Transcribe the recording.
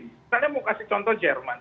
misalnya mau kasih contoh jerman